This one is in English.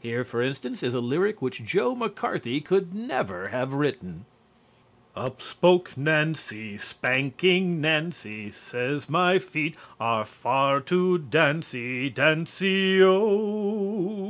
Here, for instance, is a lyric which Joe McCarthy could never have written: _Up spoke Nancy, spanking Nancy, Says, "My feet are far too dancy, Dancy O!